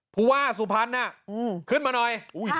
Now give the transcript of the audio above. ภูว่าสุภัณฑ์น่ะขึ้นมาหน่อย